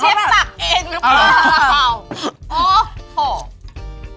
เชฟสักเองหรือเปล่า